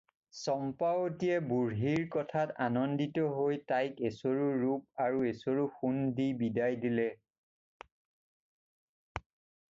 চম্পাৱতীয়ে বুঢ়ীৰ কথাত আনন্দিত হৈ তাইক এচৰু ৰূপ আৰু এচৰু সোণ দি বিদায় দিলে।